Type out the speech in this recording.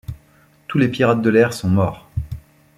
Tous les pirates de l'air sont morts.